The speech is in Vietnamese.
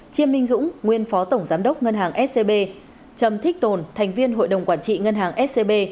chiêm minh dũng nguyên phó tổng giám đốc ngân hàng scb trầm thích tồn thành viên hội đồng quản trị ngân hàng scb